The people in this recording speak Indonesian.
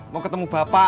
mau ketemu bapak